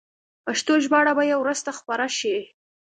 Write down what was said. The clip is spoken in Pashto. پښتو ژباړه به یې وروسته خپره شي.